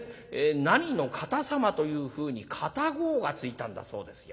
何の方様というふうに方号がついたんだそうですよ。